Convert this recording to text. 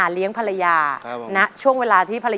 เกิดเสียแฟนไปช่วยไม่ได้นะ